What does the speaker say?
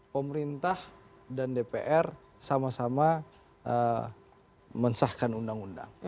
pemerintah dan dpr sama sama mensahkan undang undang